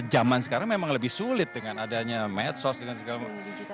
zaman sekarang memang lebih sulit dengan adanya medsos dan segala macam